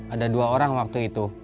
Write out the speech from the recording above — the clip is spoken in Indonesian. ada dua orang waktu itu